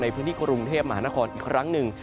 พื้นที่กรุงเทพมหานครอีกครั้งหนึ่ง